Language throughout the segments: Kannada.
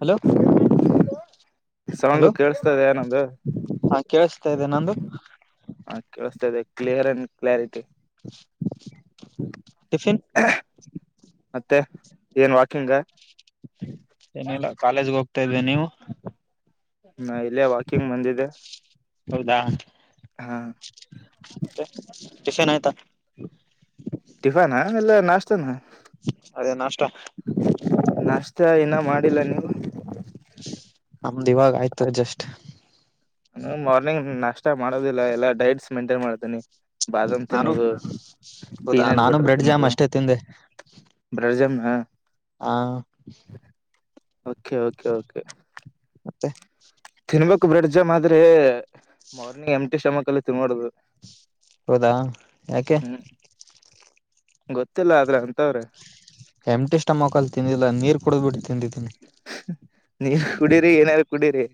ಹಲೋ ಹಲೋ ಸೌಂಡು ಕೇೇಳಸ್ತದ ನಮ್ದು ಹಾ ಕೇಳಿಸ್ತಾ ಇದೆ ನಂದು ಹ ಕೇಳಿಸತಾ ಇದೆ ಕ್ಲಿಯರ್ ಅಂಡ್ ಕ್ಲಾರಿಟಿ ಿಫನ್ [inaudible] ಮತ್ತೆ ಏನ್ ವಾಕಿಂಗ್ ಏನಿಲ್ಲ ಕಾಲೇಜ್ಗೆ ಹೋಗ್ತಾ ಇದಿ ನೀವು ನ ಇಲ್ಲೇ ವಾಕಿಂಗ್ ಬಂದಿದೆೆ ಹೌದಾ ಟ್ಯೂಷನ್ ಆಯ್ತಾ ಟಿಫಾನ ಇಲ್ಲ ನಾಷ್ಟತಾನ ಅದೇ ನಾಷ್ಟಾ ಇನೂ ಮಾಡಿಲ್ಲ ನೀವು ಆಮ್ದ್ ಇವಾಗ ಆಯ್ತಾರ ಜಸ್ಟ್ ಹ ಮಾರ್ನಿಂಗ್ ನಷ್ಟ ಮಾಡೋದಿಲ್ಲ ಎಲ್ಲಾ ಡೈಟ್ಸ್ ಮೇಂಟೈನ್ ಮಾಡತೀನಿ ಬಾದಾಮ್ ನಾನು ತಿನ್ನೋದು ಹೌದಾ ಪೀನಟ್ ನಾನು ಬಟರ್ ಬ್ರೆಡ್ ಜಾಮ್ ತಿನ್ನೋದು ಅಷ್ಟೇ ತಿಂದೆ ಬ್ರಡ್ ಜಾಮನ್ ಆ ಕೆ ಓಕೆ ಕೆ ಮತ್ತೆ ತಿನ್ಬೇಕಕ್ು ಬ್ರಿಡ್ಜ ಆದ್ರೆ ಮರ್ನಿ ಎಮ ಟಿ ಶಮಕ್ಲ್ಲಿ ತಿನ್ೋಡುದು ಹೌದಾ ಯಾಕೆ ಗೊತ್ತಿಲ್ಲ ಆದ್ರೆ ಅಂತವ್ರೆ ಹೆಮಟಿಷ್ಟ ಮೊಕಲ್ ತಿಂದಿಲ್ಲ ನೀರ್ ಕುಡುದ್ ಬಿಟ್ಟು ತಿಂದಿದ್ದೀನಿ ನೀವ ಕುಡೀರಿ ಏನಾರ ಕುಡೀರಿ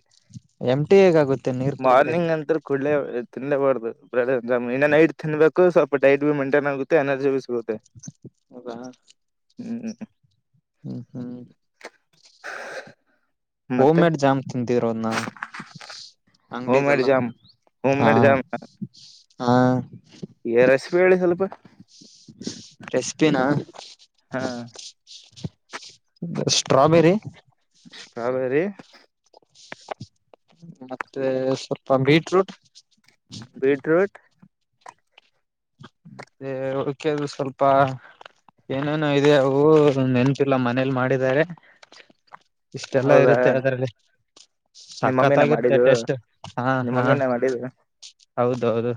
ಎಂಟಿ ಹೇಗಾಗುತ್ತೆ ನೀರ್ ಕುಡಿದ್ರೆ ಮಾರ್ನಿಂಗ್ ನಂತ ಕಡೇ ತಿಿಂದೆ ಬರ್ತ ನೈಟ್ ತಿನ್ಬೇಕು ಸ್ವಲ್ಪ ಡೈಟ್ ಬಿ ಮೈಂಟೈನ್ ಆಗುತ್ತ ಎನರ್ಿ ಬಿ ಸಿಗುತ್ತೆ ಹದ ಹ್ಮ್ ಹ್ಮ್ ಹ್ಮ್ [inaudible] ಹೋಮ್ ಮೇಡ್ ಜಾಮ್ ತಿ ರೋದನ್ನ ಅಂಗಡಿ ಹೋಮ್ ಇದ ಮೇಡ್ ಇದಲ್ಲ ಜಾಮ್ ಹೋಮ್ ಹಾ ಹಾ ರೆಸಪಿ ಹೇಳಿ ಸ್ವಲ್ಪ ಇಷ್ಟೇನಾ ಹಾ ಸ್ಟ್ರಾಬೆರಿ ಸ್ಟ್ರಾಬೆರಿ ಮತ್ತೆ ಸ್ವಲ್ಪ ಬೀಟ್ರೂಟ್ ಬೀಟ್ರೂಟ್ ಮತ್ತೇ [unintelligible] ಸ್ವಲ್ಪ ಏನೇನೋ ಇದೆ ಅವು ನೆನ್ಪಿಲ್ಲ ಮನೇಲಿ ಮಾಡಿದ್ದಾರೆ ಇಷ್ಟೆಲ್ಲ ಹೌದಾ ಇರುತ್ತೆ ಅದರಲ್ಲಿ ನಿಮ್ಮ ಮಮ್ಮಿನ ಸಕ್ಕತ್ತಾಗಿ ಇರುತ್ತೆ ಮಾಡಿದ್ದು ಟೇಸ್ಟ್ ಹಾ ನಿಮ್ಮ ಹಾ ಮಮ್ಮಿನ ಮಾಡಿದ್ದು ಹೌದೌದು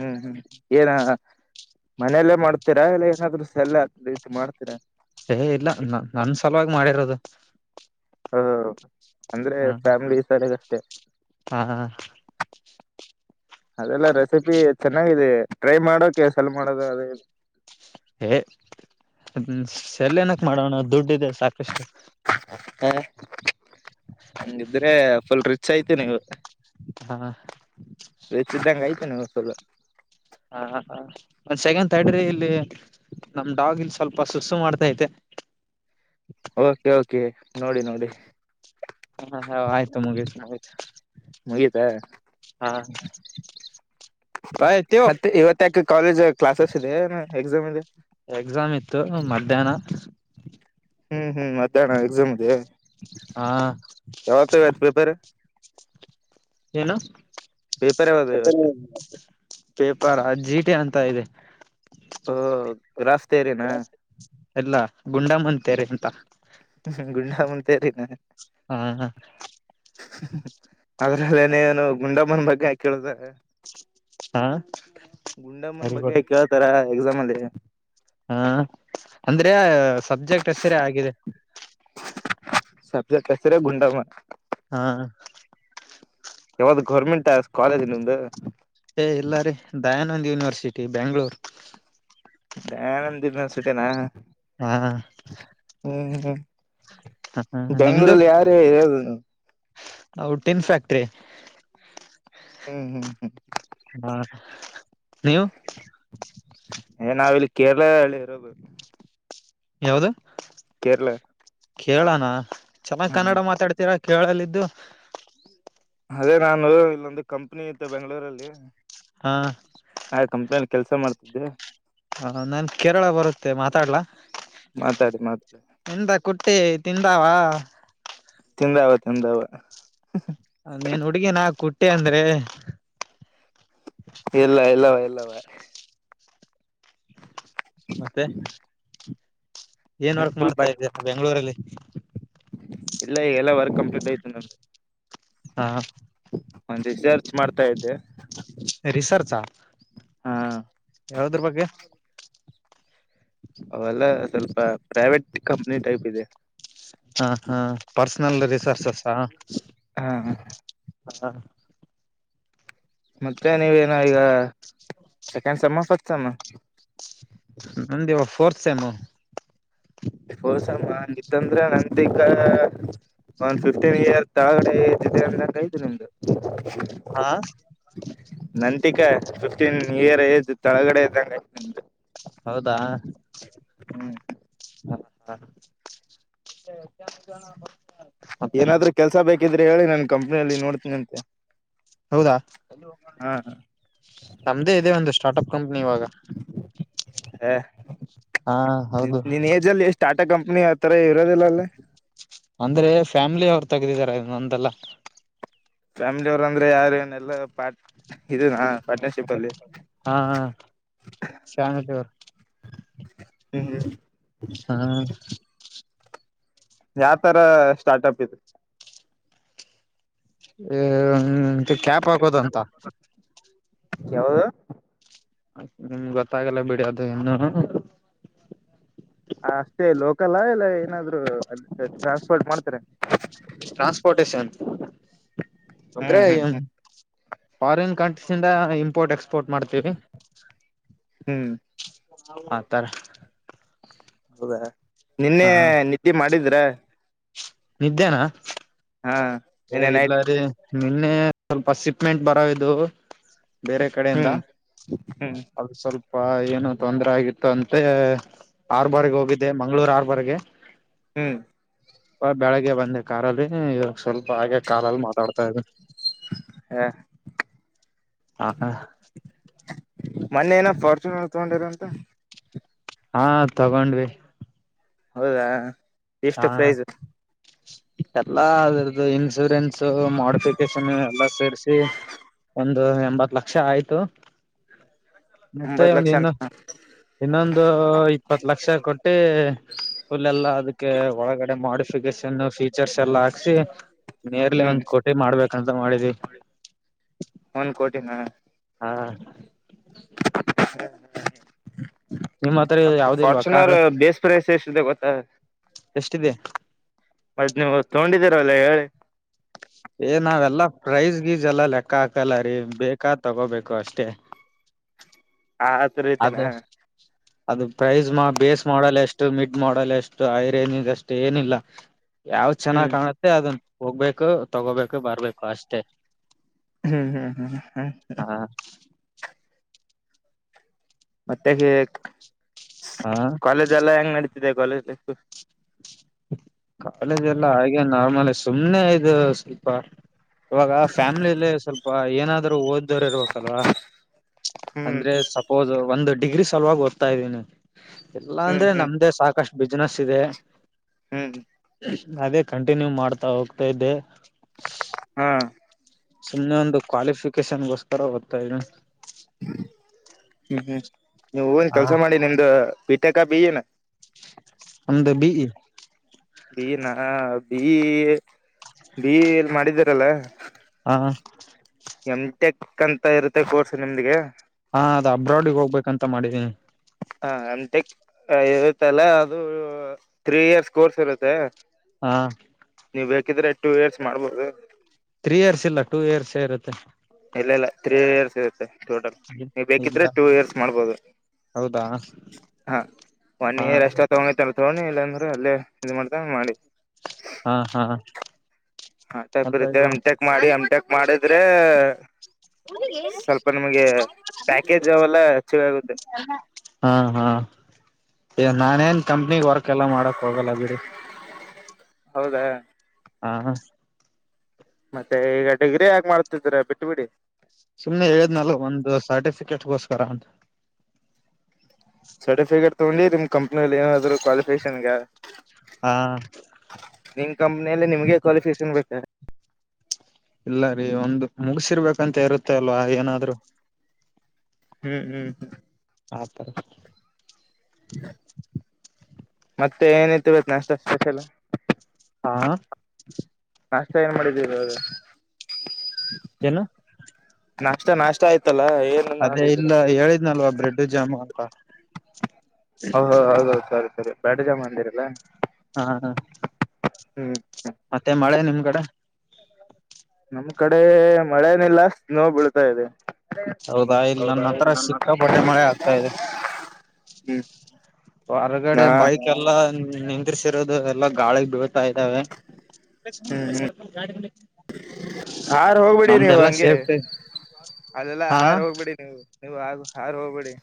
ಹ್ಮ್ ಹ್ಮ್ ಏನ ಮನೆಯಲ್ಲೇ ಮಾಡ್ತೀರಾ ಇಲ್ಲ ಏನಾದ್ರು ಸೆಲ್ ರೀತಿ ಮಾಡ್ತೀರಾ ಏ ಇಲ್ಲ ನನ್ ಸಲುವಾಗಿ ಮಾಡಿರೋದು ಹ ಅಂದ್ರೆ ಹ ಫ್ಯಾಮಿಲಿ ಈ ಥರ ಇರುತ್ತೆ ಹಾ ಅದೆಲ್ಲ ರೆಸಿಪಿ ಚೆನ್ನಾಗಿದೆ ಟ್ರೈ ಮಾಡೋಕೆ ಸೆಲ್ ಮಾಡೋದು ಅದೇ ಏ ಸೇಲ್ ಏನಕ್ ಮಾಡೋಣ ದುಡ್ಡ ಇದೆ ಸಾಕಷ್ಟು ಹ ಹಂಗಿದ್ರೆ ಫುಲ್ ರಿಚ್ ಐತಿ ನೀವು ಹಾ ವಚ್ಚಿದ್ದಂಗ ಆಯ್ತೆ ನವು ಸಲ್ಲ ಹ ಹ ಒಂದ್ ಸೆಗಂಡ್ ತಡ್ರಿ ಇಲ್ಲಿ ನಮ ಡಾಗ ಇನ್ ಸ್ವಲ್ಪ ಸುಸು ಮಾಡ್ತೈತೆ ಓಕೆ ಓಕೆ ನೋಡಿ ನೋಡಿ ಹ ಹ ಆಯ್ತು ಮುಗಿಸಯ್ತು ಮುಗಿತ ಬಾಯ್ ತ್ಯೂ ಮತ್ತೆ ಇವತ್ತ ಯಾಕೆ ಕಾಲೇಜ್ ಕ್ಲಾಸಸ್ ಇದೆ ಏ ಎಕ್ಸಾಮ್ ಇದೆ ಎಕ್ಸಾಮ್ ಇತ್ತು ಮಧ್ಯಾಹ್ನ ಹ್ಮ್ ಹ್ಮ್ ಮತ್ತೆ ಅಣ ಎಕ್ಸಾಮ್ದೆ ಹ ಯಾವಾಗ ಆತ್ ಪ್ರಿಪೇರ್ ಏನು ಪೇಪರ್ ಯಾವ್ದು ಇವತ್ತು [unintelligible] ಪೇಪರ್ ಚೀಟಿ ಅಂತ ಇದೆ ಓ ಗ್ರಾಪ್ ಥಿಯರಿ ನ ಎಲ್ಲ ಗುಂಡಮ್ಮ ಥಿಯರಿ ಎಂತ ಹ್ಮ ಗುಂಡಮ್ಮ ಥಿಯರಿ ಹಾ [unintelligible] ಏನು ಏನು ಗುಂಡಮ್ಮನ ಬಗ್ಗೆ ಹಂಗೆ ಕೇಳತಾರೆ ಹಾ ಗುಂಡಮ್ಮನ ವೆರಿಗುಡ್ ಬಗ್ಗೆ ಕೇಳ್ತಾರ ಎಕ್ಸಾಮ್ ಅಲ್ಲಿ ಹಾ ಅಂದ್ರೆ ಸಬ್ಜೆಕ್ಟ್ ಹೆಸರೇ ಆಗಿದೆ ಸಬ್ಜೆಕ್ಟ್ ಹೆಸರೇ ಗುಂಡಮ್ಮ ಹಾ ಯಾವ್ದ ಗೌರ್ಮೆಂಟ್ ಕಾಲೇಜ್ ನಿಮ್ದು ಏ ಇಲ್ಲಾ ದಯಾನಂದ್ ಯೂನಿವರ್ಸಿಟಿ ಬೆಂಗಳೂರು ದಯಾನಂದ್ ಯೂನಿವರ್ಸಿಟಿ ಹಾ ಹ್ಮ್ ಹ್ಮ್ ಬೆಂಗಗಳೂರಲ್ಲಿ ಯಾರ್ ಯಾರ್ ಇರೋದು ನೀವು ಹೌದು ಟಿನ್ ಫ್ಯಾಕ್ಟ್ರಿ ಹ್ಮ್ ಹ್ಮ್ ಹ್ಮ್ ಹಾ ನೀವು ಏ ನಾವಿಲ್ಲಿ ಕೇರಳ ಅಲ್ಲಿ ಇರೋದು ಯಾವ್ದ ಕೇರಳ ಕೇರಳ ನಾ ಚೆನ್ನಾಗ್ ಹ ಕನ್ನಡ ಮಾತಾಡ್ತೀರ ಕೇರಳ ಲಿ ಇದ್ದು ಅದೇ ನಾನು ಇಲ್ಲೊಂದು ಕಂಪ್ನಿ ಇತ್ತ ಬೆಂಗಳೂರಲ್ಲಿ ಹಾ ಆ ಕಂಪ್ನಿ ಕೆಲ್ಸ ಮಾಡ್ತಿದ್ದೆ ಹ ನನ್ ಕೇರಳ ಬರುತ್ತೆ ಮಾತಾಡ್ಲ ಮಾತಾಡಿ ಮಾತಾಡಿ ಎಂತ ಕುಟ್ಟಿ ತಿಂದಾವ ತಿಂದಾವ ತಿಂದಾವ ನೀೇನ್ ಹುಡುಗಿಿನ ಕುಟ್ಟೆ ಅಂದ್ರೆ ಇಲ್ಲ ಇಲ್ಲವ ಇಲ್ಲವಾ [inaudible] ಮತ್ತೆ ಏನ್ ವರ್ಕ್ ಫುಲ್ ಮಾಡ್ತಾ ಬಟ್ ಇದೀ ಬೆಂಗಳೂರಲ್ಲಿ ಇಲ್ಲ ಈಗಲ್ಲ ವರ್ ಹಾ ಒಂದು ರಿಸರ್ಚ್ ಮಾಡ್ತಾ ಇದ್ದೆ ರಿಸರ್ಚಾ ಹಾ ಯಾವದ್ರ ಬಗ್ಗೆ ಅವೆಲ್ಲ ಸ್ವಲ್ಪ ಪ್ರೈವೇಟ್ ಕಂಪ್ನಿ ಟೈಪ್ ಇದೆ ಹಾ ಹಾ ಪರ್ಸನಲ್ ರಿಸೋರ್ಸಸಾ ಹಾ ಹಾ ಮತ್ತೆ ನೀವೇನ ಈಗ ಸೆಕೆಂಡ್ ಸ ಫಸ್ತ್ ಸ ನಮಂದವ ಫೋರ್ತ್ಸಏನು ಹೋಸಮ್ಮ ನಿಿದ್ದಂದ್ರೆ ನಂತಿಕ ಒಂದ್ ಫಿಫ್ಟೀನ್ ಇಯರ್ ತಳಗಡೆ ಜೊತೆ ಅಂದಂಗೈಐದುು ನಿಮ್ದು ನ ಫಿಫ್ಟೀನ್ ಇಯರ್ ಏಜ್ ತಳಗಡೆ ಇದ್ದಂಗ ಹೌದಾ ಹ್ಮ್ ಹಾ ಮ ಎ ಕೆ ಜ ಹ ಏನಾದ್ೂ ಕೆಲ್ಸ ಬೇಕಿದ್ರೆ ಹೇಳಿ ನಾನ ಕಂಪ್ನಿಯಲ್ಲಿ ನೋಡ್ತೀನಿಂತೆ ಹೌದಾ ನಮ್ದೇ ಇದೇ ಒಂದು ಸ್ಟಾರ್ಟ್ ಅಪ್ ಕಂಪನಿ ಇವಾಗ [inaudible] ಹಾ ಹಾ ಹೌದು ನಿನ್ ಏಜ್ಲ್ಲಿ ಎಷ್ಟ ಾಟಾ ಕಂಪ್ನಿ ಅತ್ತ ಅಂದ್ರೆ ಫ್ಯಾಮಿಲಿ ಅವರು ತೆಗದಿದಿದ್ದಾರೆೊಂದಲ್ಲ ಫ್ಯಾಮಿಲಿ ಅವರು ಅಂದ್ರೆ ಯಾರ ಏನೆಲ್ಲ ಪ [inaudible] ಹಾ ಹ ಚಾನ ಅವ ಹ್ಮ್ ಹ್ಮ್ ಹಾ ಯಾವ ತರ ಸ್ಟಾರ್ಟಪ್ ಇದೆ ಹ ಕ್ಯಾಪ್ ಹಾಕೋದಂತ ಎವದು ನಿಮ್ ಗೊತ್ತಾಗಲ್ಲ ಬಿಡೋದು ಇನ್ನು ಅಷ್ಟೇ ಲೋಕಲಾ ಇಲ್ಲ ಏನಾದ್ರು ಅಲ್ಲಿ ಟ್ರಾನ್ಸ್ಪೋರ್ಟ್ ಮಾಡ್ತಾರೆ ಟ್ರಾನ್ಸ್ಪೋರ್ಟೇಶನ್ ಅಂದ್ರೆ ಹ್ಮ್ ಹ್ಮ್ ಹ್ಮ್ ಫಾರಿನ್ ಕಂಟ್ರೀಸ್ಂದ ಇಂಪೋರ್ಟ್ ಎಕ್ಸ್ಪೋರ್ಟ್ ಮಾಡ್ತೀವಿ ಹ್ಮ್ ಹಾತರ ಹೌದಾ ನಿನ್ನೆ ನಿದ್ದೆ ಮಾಡಿದ್ರ ನಿದ್ದೇನಾ ಹಾ ಏ ನಿನ್ನೆ ಇಲ ನೈಟ್ ರೀ ನಿನ್ನೆ ಸ್ವಲ್ಪ ಸಿಪ್ಮೆಂಟ್ ಬರ ಇದು ಬೇರೆ ಕಡೆಯಿಂದ ಹ್ಮ್ ಅದು ಸ್ವಲ್ಪ ಅಪ್ಪ ಏನು ತೊಂದ್ರ ಆಗಿತ್ತು ಅಂತ ಆರ್ ಬಾರಿಗೆ ಹೋಗಿದ್ದೆ ಮಂಗ್ಗಳೂರ್ ಆರ್ ಬಾರಗೆ ಹ್ಮ್ ಹ ಬೆಳಿಗ್ಗೆ ಬಂದೆ ಕಾರಲ್ಲಿ ಇವಾಗ ಸ್ವಲ್ಪ ಹಾಗೆ ಕಾಲಲ್ಲಿ ಮಾತಾಡ್ತಾ ಇದ್ರು ಹಾ ಹ ಮೊನ್ನೆ ಏನ ಫಾರ್ಚುನರ್ ತಗೊಂಡಿರ ಅಂತ ಹಾ ತಗೊಂಡ್ವಿ ಹೌದಾ ಹಾ ಎಷ್ಟು ಪ್ರೈಸ್ ಎಲ್ಲಾ ಅದರ್ದು ಇನ್ಸೂರೆನ್ಸ್ ಮಾಡಿಫಿಕೇಶನ್ ಎಲ್ಲ ಸೇರಿಸಿ ಒಂದು ಎಂಬತ್ ಲಕ್ಷ ಆಯ್ತು [inaudible] ಮತ್ತೆ ಒಂಬತ್ ಲಕ್ಷ ಏನು ಇನ್ನೊಂದು ಇಪ್ಪತ್ ಲಕ್ಷ ಕೊಟ್ಟಿ ಫುಲ್ ಎಲ್ಲಾ ಅದ ಒಳಗಡೆ ಮಾಡಿಫಿಕೇಶನ್ ಫೀಚರ್ಸ್ ಎಲ್ಲಾ ಹಾಕ್ಸಿ ನೇರ್ಲಿ ಹ್ಮ್ ಒಂದ್ ಕೋಟಿ ಮಾಡ್ಬೇಕಂತ ಮಾಡಿದವಿ ಒಂದ್ ಕೋಟಿನ ಹಾ ನಿಮ್ಮ್ ಹತ್ರ [unintelligible] ಯಾವ್ದ ಇಲ್ವಾ ಕಾರ್ ಫಾರ್ಚುನರ್ ಬೇಸ್ ಪ್ರೈಸ್ ಎಷ್ಟಿದೆ ಗೊತ್ತ ಎಷ್ಟಿದೆ ಮದ ನೀವು ತಗೊಂಡಿದ್ದೀರಲ್ಲ ಹೇಳಿ ಏ ನಾವೆಲ್ಲಾ ಪ್ರೈಜ್ ಗೀಜ ಎಲ್ಲ ಲೆಕ್ಕ ಹಾಕಲ್ಲ ರೀ ಬೇಕಾ ತಗೋಬೇಕು ಅಷ್ಟೇ ಹ ಆತ್ರ ಅದ ರಐತಿನಾ ಅದು ಪ್ರೈಸ್ ಮಾ ಬೇಸ್ ಮಾಡಲ್ ಎಷ್ಟು ಮಿಡ್ ಮಾಡಲ್ ಎಷ್ಟು ಹೈ ರೇಂಜ ಅಷ್ಟು ಏನಿಲ್ಲ ಯಾವ ಹ್ಮ್ ಚೆನ್ನಾಗ್ ಕಾಣುತ್ತೆ ಅದನ್ ಹೋಗ್ಬೇಕು ತಗೋಬೇಕು ಬರ್ಬೇಕು ಅಷ್ಟೇ ಹ್ಮ್ ಹ್ಮ್ ಹ್ಮ್ ಹ್ಮ್ ಹ [inaudible] ಮತ್ತೆ ಹ ಕಾಲೇಜ ಎಲ್ಲ ಹೆಂಗ ನಡತ ಕಾಲೇಜ್ ಲೈಫು ಕಾಲೇಜ ಎಲ್ಲ ಹಾಗೆ ನಾರ್ಮಲ್ ಸುಮ್ನೆ ಇದು ಸ್ವಲ್ಪ ಇವಾಗ ಫ್ಯಾಮಿಲಲ್ಲಿ ಸ್ವಲ್ಪ ಏನಾದ್ರು ಓದಿದವರು ಇರ್ಬೇಕಲ್ವಾ ಹ್ಮ್ ಅಂದ್ರೆ ಸಪೋಸ್ ಒಂದ್ ಡಿಗ್ರಿ ಸಲುವಾಗಿ ಓದ್ತಾ ಇದ್ದೀನಿ ಎಲ್ಲಾ ಹ್ಮ್ ಅಂದ್ರೆ ಹ್ಮ್ ನಮ್ದೇ ಸಾಕಷ್ಟು ಬಿಸ್ನೆೆಸ್ ಇದೆ ಹ್ಮ್ ಅದೇ ಕಂಟಿನ್ಯೂ ಮಾಡ್ತಾ ಹೋಗ್ತಾ ಇದ್ದೆ ಹ್ಮ್ ಸುಮ್ನೆ ಒಂದು ಕ್ವಾಲಿಫಿಕೇಶನ್ಗೋಸ್ಕರ ಓದ್ತಾ ಇನೆ ಹ್ಮ್ ನೀವ ಹೂನ್ ಕೆಲ್ಸ ಮಾಡಿ ನಿಮ್ದ ಪೀಟಕಾ [unintelligible] ಒಂದು ಬಿ ಬಿ ನ ಬಿ ಬಿ ಎಲ್ ಮಾಡಿದಾರಲ್ಲ ಹಾ ಹಾ ಟೆಕ್ ಅಂತ ಇರುತ್ತೆ ಕೋರ್ಸ್ ನಿಮಗೆ ಹಾ ಅದ ಅಬ್ರಾಡಗೆ ಹೋಗ್ಬೇಕಂತ ಮಾಡಿದೀನಿ ಹ ಅಂಟೆಕ್ ಇರುತ್ತಲ ಅದು ಥ್ರೀ ಇಯರ್ಸ್ ಕೋರ್ಸ್ ಇರುತ್ತೆ ಹಾ ನೀವು ಬೇಕಿದ್ರೆ ಟೂ ಇಯರ್ಸ್ ಮಾಡ್ಬೋದು ತ್ರೀ ಇಯರ್ಸ್ ಇಲ್ಲ ಟೂ ಇಯರ್ಸ್ ಇರುತ್ತೆ ಇಲ್ಲ ಇಲ್ಲ ತ್ರೀ ಇಯರ್ಸ್ ಇರುತ್ತೆ ಟೋಟಲ್ ನೀವು ಬೇಕಿದ್ರೆ ಇಲ್ಲ ಟೂ ಇಯರ್ಸ್ ಮಾಡ್ಬೋದು ಹೌದಾ ಹಾ ಒನ್ ಹಾ ಇಯರ್ ಅಷ್ಟೇ ತಗೊಂಡತಲ್ಲ ತಗೊಂಡಿ ಇಲ್ಲಾಂದ್ರೆ ಅಲ್ಲೇ ಇದು ಮಾಡ್ತಾ ಮಾಡಿ ಹಾ ಹಾ ಹಾಟ ಪ್ರ ಅಂತ ರೀತ ಇಲ್ವಾ ಎಮಟೆಕ್ ಮಾಡಿ ಎಮಟಕ್ ಮಾಡಿದ್ರೆ ಸ್ವಲ್ಪ ನಿಮ್ಗೆ ಪ್ಯಾಕೇಜ್ ಅವೆಲ್ಲ ಹೆಚ್ಚ ಆಗುತ್ತೆ [inaudible] ನಾನ ಏನ್ ಕಂಪ್ನಿ ವರ್ಕ್ ಎಲ್ಲ ಮಾಡಕ್ ಹೋಗಲ್ಲ ಬಿಡಿ ಹೌದಾ ಹಾ ಹಾ ಮತ್ತೆ ಈಗ ಡಿಗ್ರಿ ಯ ಮಾಡ್ತಿದ್ರ ಬಿಟ್ಟು ಬಿಡಿ ಸುಮ್ನೆ ಹೇಳಿದ್ನಲ್ ಒಂದು ಸರ್ಟಿಫಿಕೇಟ್ಗೋಸ್ಕರ ಅಂತ ಸರ್ಟಿಫಿಕೇಟ್ ತೊಗೊಂಡಿ ನಿಮ್ ಕಂಪ್ನಿಲ್ಲಿ ಏನಾದ್ರು ಕ್ವಾಲಿಫಿಕೇಶನ್ಗ ಹಾ ನಿಮ್ ಕಂಪನಿಯಲ್ಲಿ ನಿಮ್ಗೆ ಕ್ವಾಲಿಫಿಕೇಶನ್ ಬೇಕ ಇಲ್ಲ ರೀ ಒಂದು ಮುಗಸಿರ್ಬೇಕಂತ ಇರುತ್ತೆ ಅಲ್ವಾ ಏನಾದ್ರು ಹ್ಮ್ ಹ್ಮ ಹಾತರ ಮತ್ತೆ ಏನಾಯ್ತು [unintelligible] ಬತ್ ನ ಅಷ್ಟ ಸ್ಪೆಷಲ್ ಹಾ ನಾಷ್ಟ ಏನ್ ಮಾಡಿದ್ದೀಗ [inaudible] ಏನು ನಾಷ್ಟ ನಾಷ್ಟ ಆಯತ್ ಅದೇ ಇಲ್ಲ ಹೇಳಿದ್ನಲ್ವ ಬ್ರೆಡ್ ಜಾಮು ಅಂತ ಹ ಹ ಹೌದು ಸರಿ ಸರಿ ಬ್ರೆಡ್ಡು ಜಾಮ್ ಅಂದಿರಲ್ಲ ಹಾ ಹ ಹ್ಮ್ ಹ್ಮ್ ಮತ್ತೆ ಮಳೆ ನಿಮ್ ಕಡೆ ನಮ್ ಕಡೆ ಮಳೆನಿಲ್ಲ ಇವಾಗ ಬೀಳ್ತಾ ಇದೆ ಹೌದಾ ಇಲ್ ನನ್ನ ಹತ್ರ ಇಲ್ಲಿ ನನ್ನ ಸಿಕ್ಕಾಪಟ್ಟೆ ಮಳೆ ಆಗ್ತಾ ಇದೆ ಹ್ಮ್ ಹೊರಗಡೆ ಹಾ ಬೈಕ್ ಎಲ್ಲಾ ನಿಂದ್ರಿಸಿರೋದು ಎಲ್ಲಾ ಗಾಳಿಗೆ ಬೀಳ್ತಾ ಇದ್ದಾವೆ ಹ್ಮ್ ಹ್ಮ್ ನಮ್ದು ಎಲ್ಲ ಸೇಫ್ಟಿ ಅದೆಲ್ಲಾ ಹಾ ಹಾರ ಹೋಗ್ಬಿಡಿ ನೀವು ನೀವು ಹಾಗ ಹಾರ ಹೋಗ್ಬಿಡಿ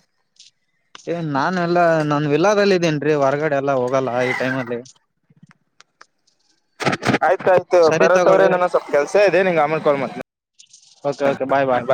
ಏ ನಾನ್ ಎಲ್ಲಾ ನಾನ್ ವಿಲ್ಲಾದಲ್ ಇದಿನ್ ರಿ ಹೊರಗಡೆ ಎಲ್ಲಾ ಹೋಗಲ್ಲ ಈ ಟೈಮ್ ಲಿ ಆಯ್ತಾಯ್ತು [unintelligible] ತಗೊಳ್ಳಿ ಬರತ್ವ್ರೇನನ ಸ್ವಲ್ಪ ಕೆಲ್ಸ ಇದೆ ನಿಂಗ್ ಆಮೆಲ್ ಕಾಲ್ ಮತ್ ಓಕೆ ಓಕೆ ಬಾಯ್ ಬಾಯ್